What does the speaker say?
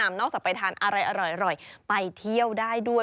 นอกจากไปทานอะไรอร่อยไปเที่ยวได้ด้วย